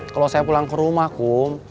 kalo saya pulang ke rumah kum